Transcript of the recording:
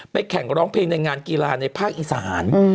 แข่งร้องเพลงในงานกีฬาในภาคอีสาน